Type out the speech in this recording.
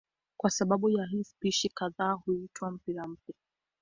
Kwa sababu ya hii spishi kadhaa huitwa mpira pia.